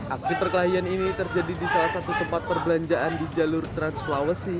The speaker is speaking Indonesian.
aksi perkelahian ini terjadi di salah satu tempat perbelanjaan di jalur trans sulawesi